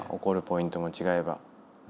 怒るポイントも違えば。